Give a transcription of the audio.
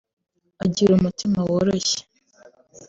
Agira umutima woroshye